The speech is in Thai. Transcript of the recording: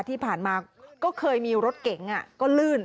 ที่ผ่านมาก็เคยมีรถเก๋งก็ลื่น